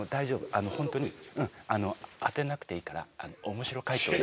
あの本当に当てなくていいからオモシロ解答で。